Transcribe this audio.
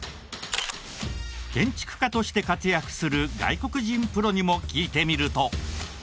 建築家として活躍する外国人プロにも聞いてみると。